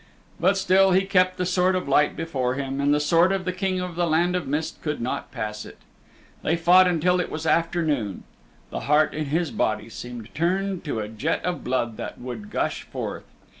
But still he kept the Sword of Light before him and the Sword of the King of the Land of Mist could not pass it. They fought until it was afternoon. The heart in his body seemed turned to a jet of blood that would gush forth.